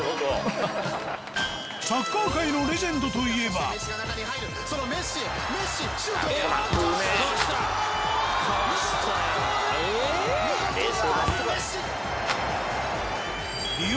サッカー界のレジェンドといえば見事なゴール！